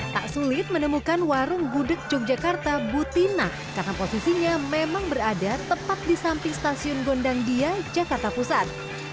tak sulit menemukan warung gudeg yogyakarta butina karena posisinya memang berada tepat di samping stasiun gondang dia jakarta pusat